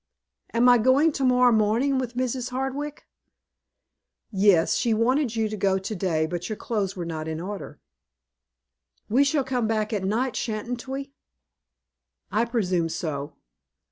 "Am I going to morrow morning with Mrs. Hardwick?" "Yes. She wanted you to go to day, but your clothes were not in order." "We shall come back at night, sha'n't we?" "I presume so."